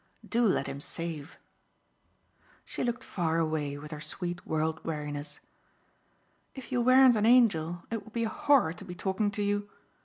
Do let him save." She looked far away with her sweet world weariness. "If you weren't an angel it would be a horror to be talking to you.